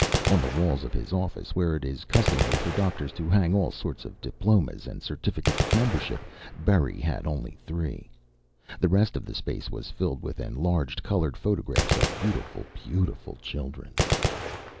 On the walls of his office, where it is customary for doctors to hang all sorts of diplomas and certificates of membership, Berry had only three. The rest of the space was filled with enlarged colored photographs of beautiful, beautiful children.